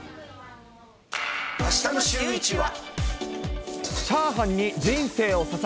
あしたのシューイチは。